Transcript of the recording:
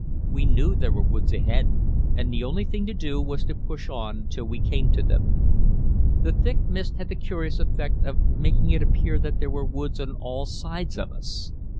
We knew there were woods ahead, and the only thing to do was to push on till we came to them. The thick mist had the curious effect of making it appear that there were woods on all sides of us.